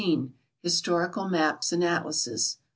Historical Maps and Atlases.